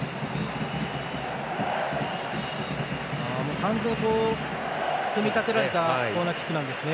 完全に組み立てられたコーナーキックなんですね。